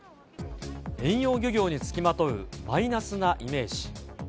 遠洋漁業につきまとうマイナスなイメージ。